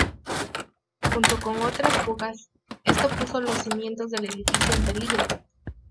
Junto con otras fugas, esto puso los cimientos del edificio en peligro.